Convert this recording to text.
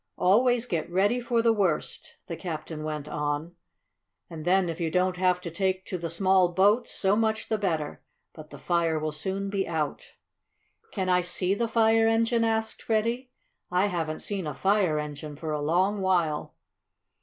"Always get ready for the worst," the captain went on, "and then if you don't have to take to the small boats so much the better. But the fire will soon be out." "Can I see the fire engine?" asked Freddie. "I haven't seen a fire engine for a long while."